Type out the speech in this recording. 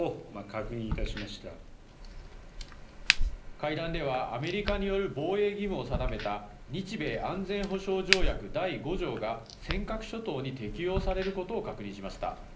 会談ではアメリカによる防衛義務を定めた日米安全保障条約第５条が尖閣諸島に適用されることを確認しました。